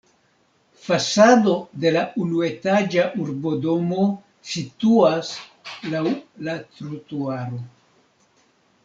Fasado de la unuetaĝa urbodomo situas laŭ la trotuaro.